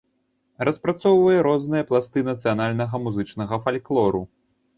Распрацоўвае розныя пласты нацыянальнага музычнага фальклору.